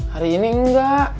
hari ini enggak